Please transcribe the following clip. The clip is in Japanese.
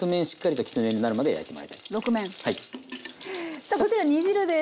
さあこちら煮汁です。